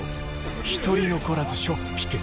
一人残らずしょっぴけ。